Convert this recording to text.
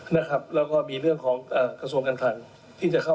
แล้วก็มีเรื่องของกระทรวงกำคังมาช่วยเหลือกัน